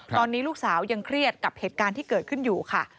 ตอนนี้ลูกสาวยังเครียดกับเหตุการณ์ที่เกิดขึ้นอยู่ค่ะ